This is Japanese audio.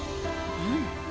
うん。